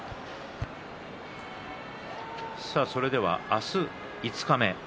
明日、五日目。